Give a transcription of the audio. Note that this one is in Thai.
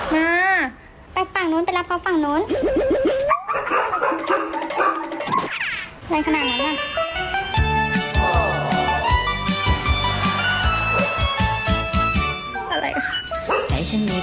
มีคนใส่รองเท้ารองเท้าอยู่นู้นรองเท้าอยู่ข้างบ้าน